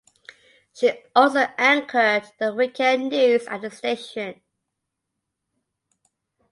She also anchored the weekend news at the station.